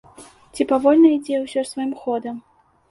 Ці павольна ідзе ўсё сваім ходам?